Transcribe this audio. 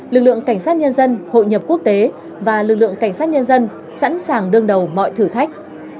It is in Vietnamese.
lực lượng cảnh sát nhân dân hội nhập quốc tế và lực lượng cảnh sát nhân dân sẵn sàng đương đầu mọi thử thách